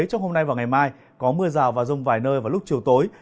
trong hôm nay và ngày mai có mưa rào và rông vài nơi vào lúc chiều tối